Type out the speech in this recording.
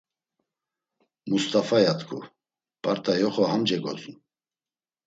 “Must̆afa!” ya t̆ǩu; “P̌art̆a yoxo ham cegozun!”